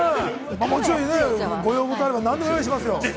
もちろんね、ご要望あれば何でも用意しますよ。